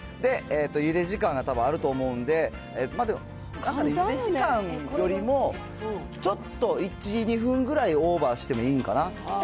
ゆで時間がたぶんあると思うんで、でもなんか、ゆで時間よりもちょっと１、２分ぐらいオーバーしてもいいんかな。